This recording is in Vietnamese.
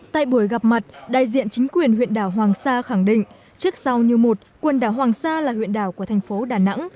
tại buổi gặp mặt đại diện chính quyền huyện đảo hoàng sa khẳng định trước sau như một quần đảo hoàng sa là huyện đảo của thành phố đà nẵng